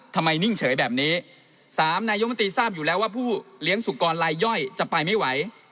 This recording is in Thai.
ทำไมนิ่งเฉยแบบนี้